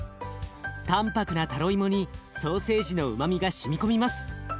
淡泊なタロイモにソーセージのうまみがしみ込みます。